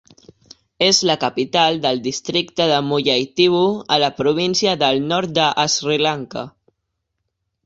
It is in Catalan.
És la capital del districte de Mullaitivu a la província del Nord de Sri Lanka.